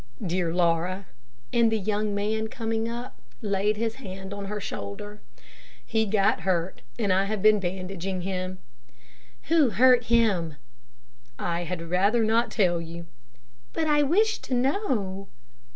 "Dear Laura," and the young man coming up, laid his hand on her shoulder, "he got hurt, and I have been bandaging him." "Who hurt him?" "I had rather not tell you." "But I wish to know."